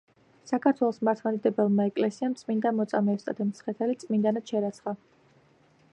საქართველოს მართლმადიდებელმა ეკლესიამ წმიდა მოწამე ევსტათი მცხეთელი წმინდანად შერაცხა.